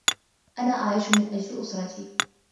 أنا أعيش من أجل أسرتي.